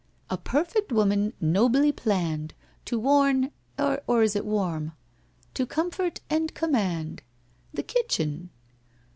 " A perfect woman nobly planned. To warn — or is it warm? — to comfort and com mand" — the kitchen!